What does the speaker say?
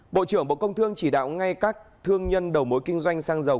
bộ trưởng bộ công thương chỉ đạo ngay các thương nhân đầu mối kinh doanh xăng dầu